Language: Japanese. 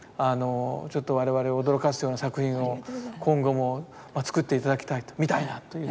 ちょっと我々を驚かすような作品を今後も作って頂きたいと見たいなというふうに思いますけど。